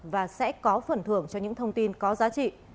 và sẽ có phần thưởng cho những thông tin có giá trị